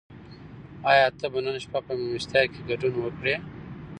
آیا ته به نن شپه په مېلمستیا کې ګډون وکړې؟